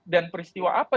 dan peristiwa apa